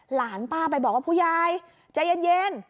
หลานป้าไปบอกว่าผู้ยายใจเย็น